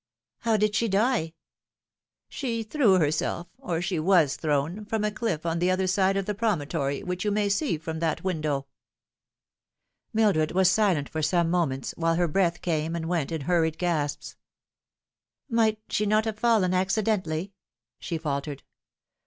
" How did she die ?"" She threw herself or she was thrown from a cliff on the other side of the promontory which you may see from that window." Mildred was silent for some moments, while her breath came and went in hurried gasps. " Might she not have fallen accidentally ?" she faltered.